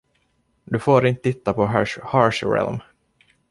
Du får inte titta på Harsh Realm.